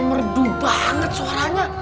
merdu banget suaranya